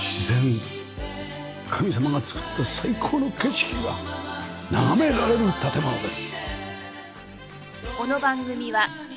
神様がつくった最高の景色が眺められる建物です。